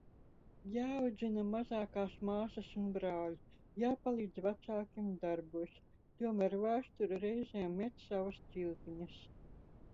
Jāaudzina mazākās māsas un brāļi. Jāpalīdz vecākiem darbos. Tomēr vēsture reizēm met savas cilpiņas.